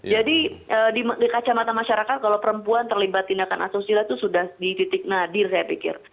di kacamata masyarakat kalau perempuan terlibat tindakan asusila itu sudah di titik nadir saya pikir